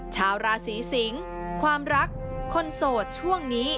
ชาวราศีสิงศ์ความรักคนโสดช่วงนี้